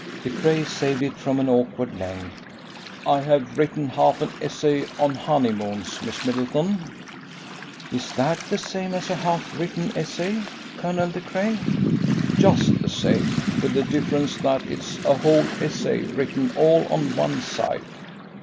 De Craye saved it from an awkward length. "I have written half an essay on Honeymoons, Miss Middleton." "Is that the same as a half written essay, Colonel De Craye?" "Just the same, with the difference that it's a whole essay written all on one side."